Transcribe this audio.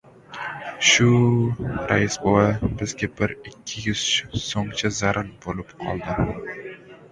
— Shu... rais bova, bizga bir... ikki yuz so‘mcha zaril bo‘lib qoldi.